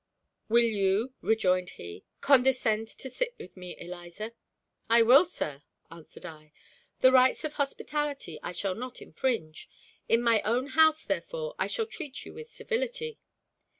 "Will you," rejoined he, "condescend to sit with me, Eliza?" "I will, sir," answered I "The rights of hospitality I shall not infringe. In my own house, therefore, I shall treat you with civility."